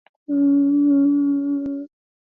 Asilimia mbili Wachina asilimia moja pointi sitana Wazungu